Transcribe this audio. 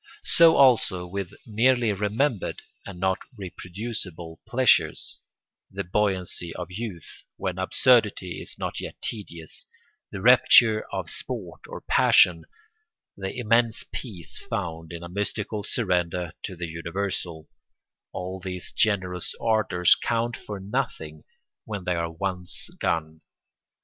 So also with merely remembered and not reproducible pleasures; the buoyancy of youth, when absurdity is not yet tedious, the rapture of sport or passion, the immense peace found in a mystical surrender to the universal, all these generous ardours count for nothing when they are once gone.